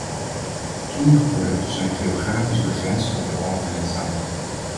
Sommige producten zijn geografisch begrensd tot bepaalde lidstaten.